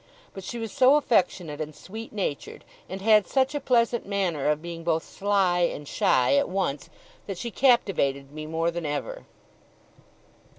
But she was so affectionate and sweet natured, and had such a pleasant manner of being both sly and shy at once, that she captivated me more than ever.